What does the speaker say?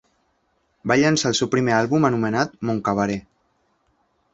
Va llançar el seu primer àlbum anomenat Mon cabaret.